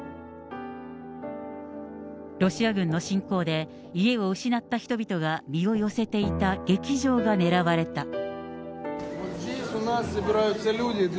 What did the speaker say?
ロシア軍の侵攻で家を失った人々が身を寄せていた劇場が狙われた。